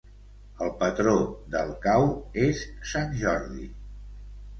El patró del cau és Sant Jordi.